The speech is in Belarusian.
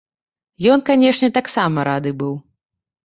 Ён, канечне, таксама рады быў.